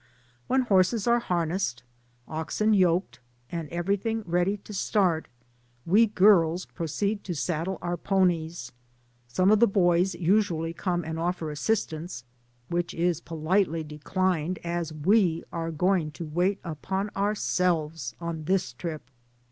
When horses are harnessed, oxen yoked — and everything ready to start, we girls IS DAYS ON THE ROAD. proceed to saddle our ponies; some of the boys usually come and offer assistance, which is politely declined, as we are going to wait upon ourselves on this trip.